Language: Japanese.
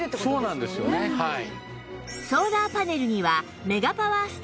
そうなんですよねはい。